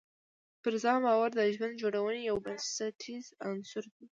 پر ځان باور د ژوند جوړونې یو بنسټیز عنصر دی.